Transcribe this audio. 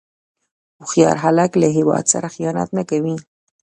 هوښیار خلک له هیواد سره خیانت نه کوي.